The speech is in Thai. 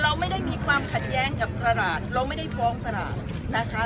เราไม่ได้มีความขัดแย้งกับตลาดเราไม่ได้ฟ้องตลาดนะคะ